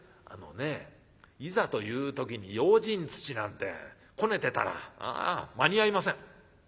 「あのねいざという時に用心土なんてこねてたら間に合いません。